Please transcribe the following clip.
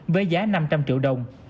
với giá năm trăm linh triệu đồng